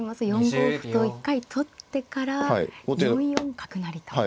４五歩と一回取ってから４四角成と。